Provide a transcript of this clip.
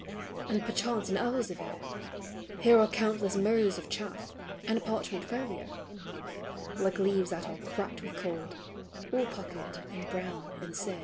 361 And perchance an Elzevir; Here are countless " nios" of chaff, And a parchment folio, Like leaves that ars cracked with cold, All puckered and brown and scar.